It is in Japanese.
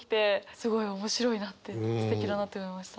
すごい面白いなってすてきだなって思いました。